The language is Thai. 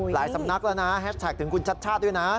สำนักแล้วนะแฮชแท็กถึงคุณชัดชาติด้วยนะ